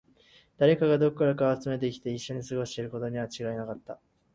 誰かがどこからか集めてきて、一緒に過ごしていることに間違いはなかった